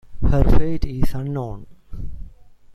Her fate is unknown.